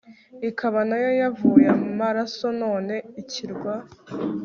Ikaba nayo yavuye amaraso none ikirwa